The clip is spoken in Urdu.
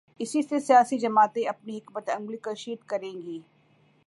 اسی سے سیاسی جماعتیں اپنی حکمت عملی کشید کریں گی۔